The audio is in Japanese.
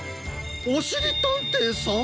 おしりたんていさん！？